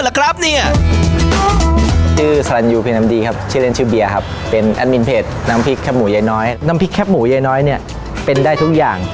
แหละครับเนี้ยน้ำพรีคแคปหมูยายน้อยเนี้ยเป็นได้ทุกอย่าง